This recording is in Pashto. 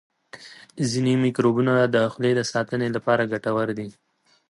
ځینې میکروبونه د خولې د ساتنې لپاره ګټور دي.